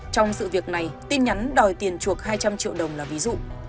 trong sự việc này tin nhắn đòi tiền chuộc hai trăm linh triệu đồng là ví dụ